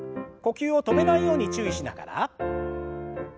呼吸を止めないように注意しながら。